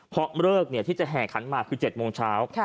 เพราะเลิกที่จะแห่ขันหมากคือ๗โมงเช้า